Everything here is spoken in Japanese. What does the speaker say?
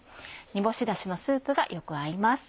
煮干しダシのスープがよく合います。